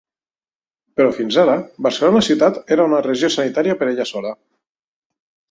Però fins ara, Barcelona ciutat era una regió sanitària per ella sola.